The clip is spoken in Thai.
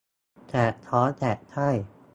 แสบท้องแสบไส้